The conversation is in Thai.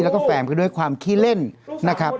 แล้วก็แฟมก็ด้วยความขี้เล่นนะครับ